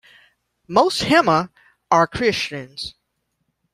Most Hema are Christians.